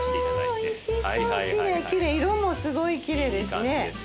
きれいきれい色もすごいきれいですね。